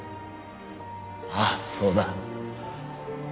ああそうだ。